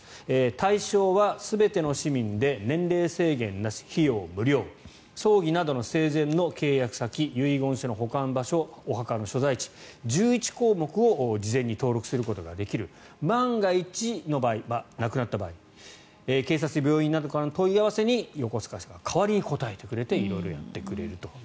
対象は全ての市民で年齢制限なし費用無料葬儀などの生前の契約先遺言書の保管場所お墓の所在地、１１項目を事前に登録することができる万が一の場合、亡くなった場合警察や病院などからの問い合わせに横須賀市が代わりに答えてくれて色々やってくれると。